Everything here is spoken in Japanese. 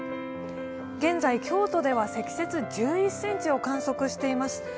現在、京都では積雪１１ｃｍを観測しています。